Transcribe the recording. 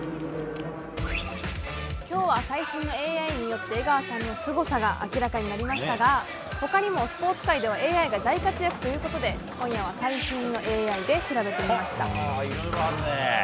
今日は最新のＡＩによって江川さんのすごさが明らかになりましたが他にもスポーツ界ではＡＩが大活躍ということで今夜は最新のＡＩで調べてみました。